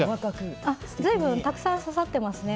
随分たくさん刺さってますね。